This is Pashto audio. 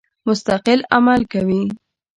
مستقل عمل کوي.